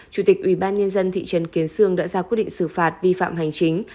chủ tịch ubnd thị trấn kiến sương đã ra quyết định xử phạt vi phạm hành chính